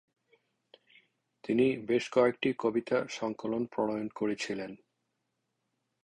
তিনি বেশ কয়েকটি কবিতা সংকলন প্রণয়ন করেছিলেন।